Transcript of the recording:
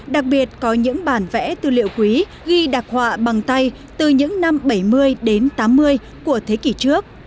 đặc biệt có những bản vẽ tư liệu quý ghi đặc họa bằng tay từ những năm bảy mươi đến tám mươi của thế kỷ trước